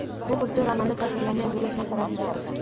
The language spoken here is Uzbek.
Bu xuddi romanda tasvirlangan zo’rlash manzarasi kabi.